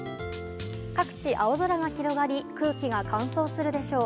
各地、青空が広がり空気が乾燥するでしょう。